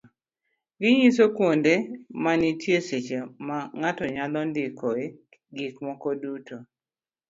ginyiso kuonde ma nitie seche ma ng'ato nyalo ndikoe gik moko duto.